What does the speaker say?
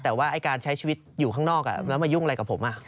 แต่ว่าการใช้ชีวิตอยู่ข้างนอกแล้วมายุ่งอะไรกับผม